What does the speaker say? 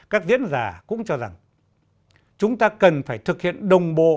các diễn giả cũng cho rằng chúng ta cần phải thực hiện đồng bộ